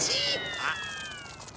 あっ。